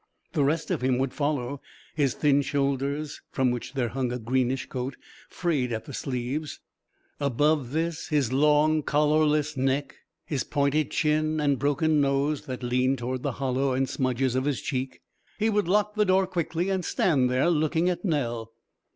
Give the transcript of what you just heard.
The rest of him would follow his thin shoulders, from which there hung a greenish coat, frayed at the sleeves; above this, his long, collarless neck, his pointed chin and broken nose, that leaned toward the hollow and smudges of his cheek. He would lock the door quickly and stand there, looking at Nell.